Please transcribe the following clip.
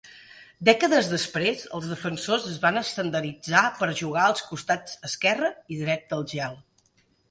Dècades després, els defensors es van estandarditzar per jugar als costats esquerre i dret del gel.